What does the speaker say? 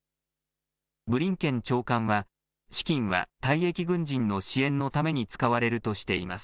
ブリンケン長官は、資金は退役軍人の支援のために使われるとしています。